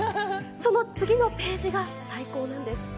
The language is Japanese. その次のページが最高なんです。